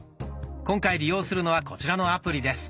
今回利用するのはこちらのアプリです。